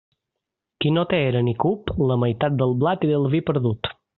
Qui no té era ni cup, la meitat del blat i del vi perdut.